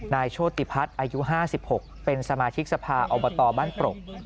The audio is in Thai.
โชติพัฒน์อายุ๕๖เป็นสมาชิกสภาอบตบ้านปรก